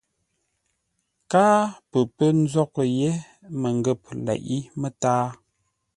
Káa pə pə́ nzóghʼə́ yé mənghə̂p leʼé mətǎa.